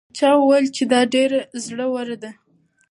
چا وویل چې دا ډېره زړه وره ده؟